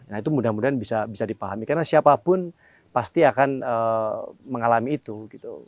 nah itu mudah mudahan bisa dipahami karena siapapun pasti akan mengalami itu gitu